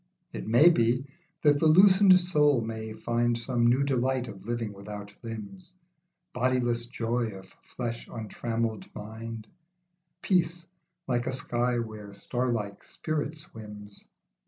It may be, that the loosened soul may find Some new delight of living without limbs, Bodiless joy of flesh untrammelled mind, Peace like a sky where starlike spirit swims.